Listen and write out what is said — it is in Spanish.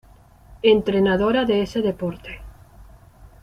Entrenadora de ese deporte.